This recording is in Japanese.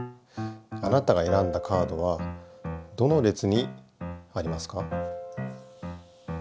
あなたがえらんだカードはどの列にありますか？